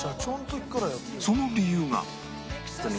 その理由が